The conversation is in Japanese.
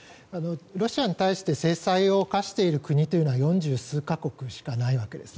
ロシアに対して制裁を科している国は四十数か国しかないわけです。